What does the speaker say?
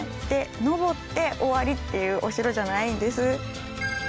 上って終わりというお城じゃないんです。